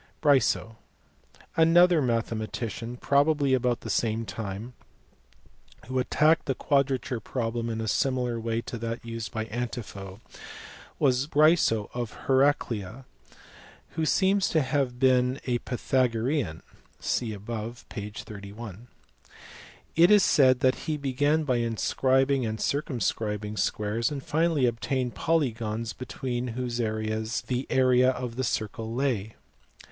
Bryso. Another mathematician, probably of about the same time, who attacked the quadrature problem in a similar way to that used by Antipho was Bryso of Heraclea, who seems to have been a Pythagorean (see above, p. 31). It is said that he began by inscribing and circumscribing squares, and finally obtained polygons between whose areas the area of the circle lay.